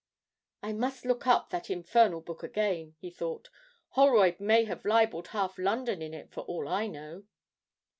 'I must look up that infernal book again!' he thought. 'Holroyd may have libelled half London in it for all I know.'